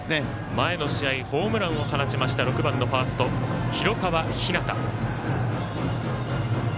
前の試合ホームランを放ちました６番のファースト、広川陽大。